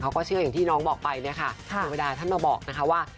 เขาก็เชื่ออย่างที่น้องบอกไปเนี่ยค่ะธรรมดาท่านมาบอกนะคะว่า